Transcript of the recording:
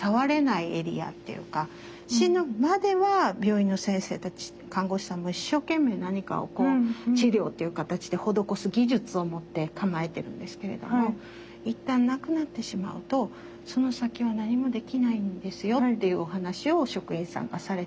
死ぬまでは病院の先生たち看護師さんも一生懸命何かをこう治療っていう形で施す技術を持って構えてるんですけれどもいったん亡くなってしまうとその先は何もできないんですよっていうお話を職員さんがされて。